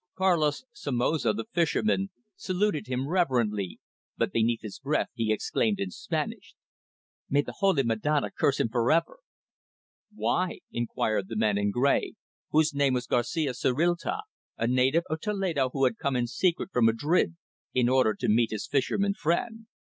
Carlos Somoza, the fisherman, saluted him reverently, but beneath his breath he exclaimed in Spanish: "May the Holy Madonna curse him for ever!" "Why?" inquired the man in grey, whose name was Garcia Zorrilta, a native of Toledo, who had come in secret from Madrid in order to meet his fisherman friend.